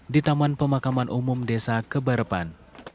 di taman pemakaman umum desa kebarepan